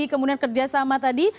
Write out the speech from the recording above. kemudian kerjasama tadi